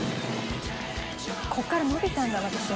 ここから伸びたんだ。